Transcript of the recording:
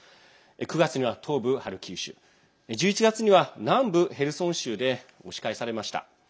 ９月には東部ハルキウ州１１月には南部ヘルソン州で押し返されました。